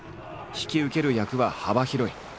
引き受ける役は幅広い。